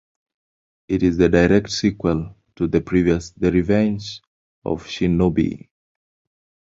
It is the direct sequel to the previous "The Revenge of Shinobi".